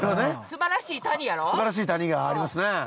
すばらしい谷がありますね。